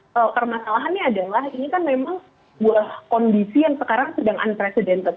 kalau permasalahannya adalah ini kan memang buah kondisi yang sekarang sedang unprecedented